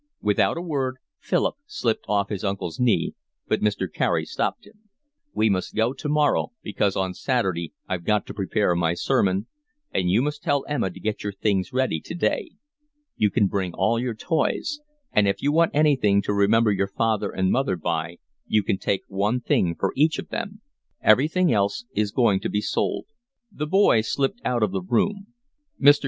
Without a word Philip slipped off his uncle's knee, but Mr. Carey stopped him. "We must go tomorrow, because on Saturday I've got to prepare my sermon, and you must tell Emma to get your things ready today. You can bring all your toys. And if you want anything to remember your father and mother by you can take one thing for each of them. Everything else is going to be sold." The boy slipped out of the room. Mr.